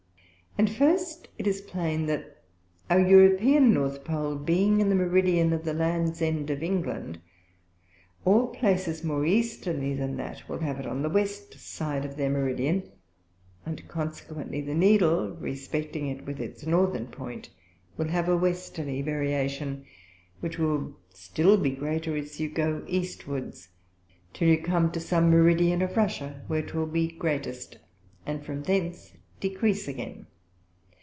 And first it is plain, that (our European North Pole being in the Meridian of the Lands end of England) all places more Easterly than that will have it on the West side of their Meridian, and consequently the Needle, respecting it with its Northern Point, will have a Westerly Variation, which will still be greater as you go to the Eastwards, till you come to some Meridian of Russia, where 'twill be greatest, and from thence decrease again.